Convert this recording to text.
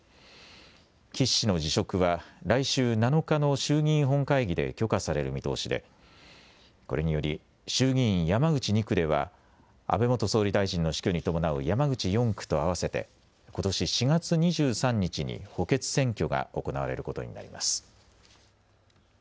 岸氏の辞職は来週７日の衆議院本会議で許可される見通しでこれにより衆議院山口２区では安倍元総理大臣の死去に伴う山口４区と合わせてことし４月２３日に補欠選挙が行われることになります。